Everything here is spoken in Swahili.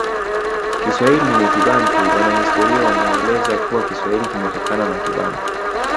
Kiswahili ni Kibantu Wanahistoria wanaeleza kuwa Kiswahili kimetokana na Kibantu